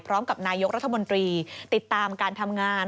พร้อมกับนายกรัฐมนตรีติดตามการทำงาน